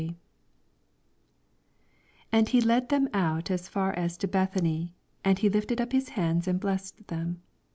50 And he led them ont as far as (o Bethany, and he lifted up his hands, and olessed them.